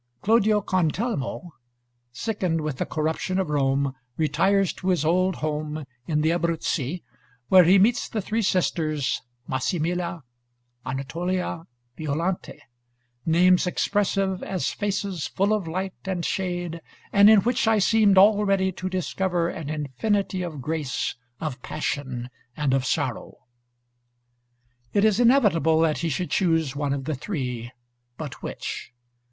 Claudio Cantelmo, sickened with the corruption of Rome, retires to his old home in the Abruzzi, where he meets the three sisters Massimilla, Anatolia, Violante: "names expressive as faces full of light and shade, and in which I seemed already to discover an infinity of grace, of passion, and of sorrow." It is inevitable that he should chose one of the three, but which?